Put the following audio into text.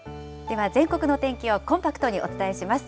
では、全国の天気をコンパクトにお伝えします。